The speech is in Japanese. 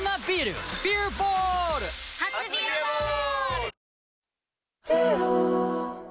初「ビアボール」！